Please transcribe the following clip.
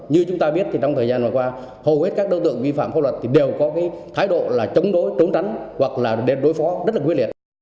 như chúng ta biết thì trong thời gian vừa qua hầu hết các đối tượng vi phạm pháp luật thì đều có cái thái độ là chống đối trốn tránh hoặc là đêm đối phó rất là quyết liệt